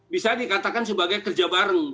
bisa dikatakan sebagai kerja bareng